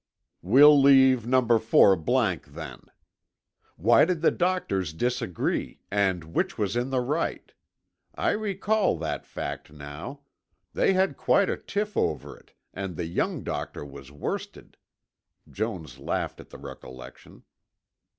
"We'll leave number four blank, then. Why did the doctors disagree, and which was in the right? I recall that fact now. They had quite a tiff over it and the young doctor was worsted." Jones laughed at the recollection.